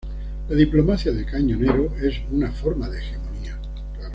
La diplomacia de cañonero es una forma de hegemonía.